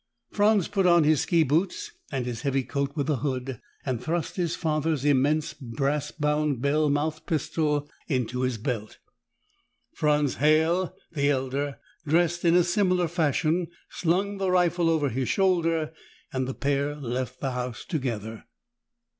Franz put on his ski boots and his heavy coat with the hood, and thrust his father's immense, brass bound, bell mouthed pistol into his belt. Franz Halle the elder dressed in a similar fashion, slung the rifle over his shoulder, and the pair left the house together.